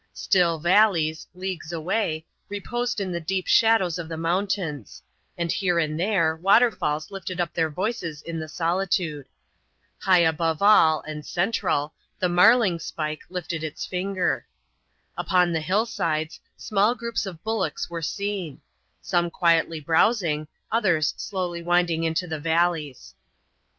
Still valleys, leagues away, reposed in the deep shadows of the mountains; and here and there, waterfalls lifted up their voices in the solitude. High above all, and central, the " Marling spike " lifted its finger. Upon the hill sides, small groups of bullocks were seen ; some quietly brows Jug ; others slowly winding into the valleys.